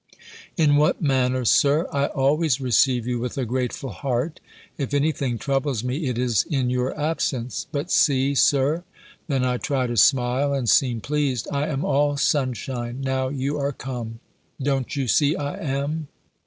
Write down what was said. "In what manner. Sir? I always receive you with a grateful heart! If any thing troubles me, it is in your absence: but see, Sir" (then I try to smile, and seem pleased), "I am all sunshine, now you are come! don't you see I am?"